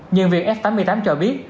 nhân viên f tám mươi tám cho biết